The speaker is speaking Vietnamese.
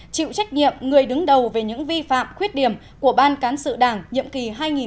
chịu trách nhiệm người đứng đầu về những vi phạm khuyết điểm của ban cán sự đảng nhiệm kỳ hai nghìn một mươi một hai nghìn một mươi một